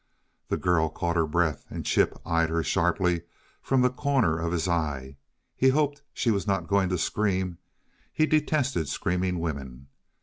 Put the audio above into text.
The girl caught her breath, and Chip eyed her sharply from the corner of his eye. He hoped she was not going to scream he detested screaming women.